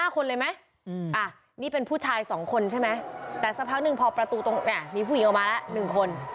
๕คนเลยไหมนี่เป็นผู้ชาย๒คนใช่ไหมแต่สักพักหนึ่งพอประตูตรงมีผู้หญิงออกมาแล้ว๑คน